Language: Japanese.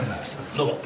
どうも。